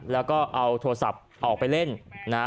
แล้วก็เอาโทรศัพท์ออกไปเล่นนะฮะ